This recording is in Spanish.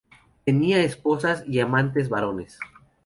Tenía esposas y amantes varones.